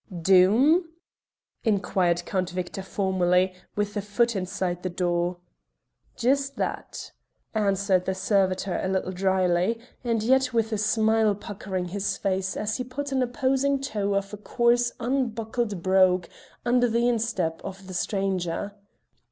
"Doom?" inquired Count Victor formally, with a foot inside the door. "Jist that," answered the servitor a little dryly, and yet with a smile puckering his face as he put an opposing toe of a coarse unbuckled brogue under the instep of the stranger.